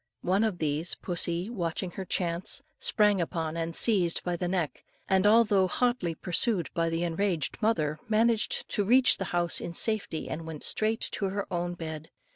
One of these pussy, watching her chance, sprang upon and seized by the neck, and although hotly pursued by the enraged mother, managed to reach the house in safety, and went straight to her own bed.